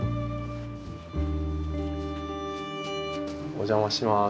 お邪魔します。